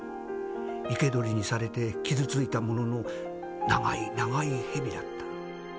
生け捕りにされて傷ついたものの長い長いヘビだった。